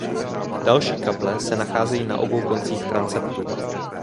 Další kaple se nacházejí na obou koncích transeptu.